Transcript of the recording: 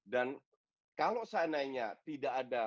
dan kalau seandainya tidak ada pemain